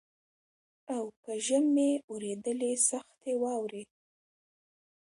او په ژمي اورېدلې سختي واوري